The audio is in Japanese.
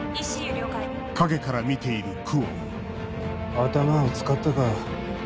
頭を使ったか。